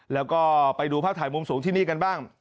แล้วก็ไปดูภาพถ่ายมุมสูงที่นี่กันบ้าง